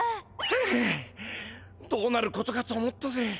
ふうどうなることかと思ったぜ。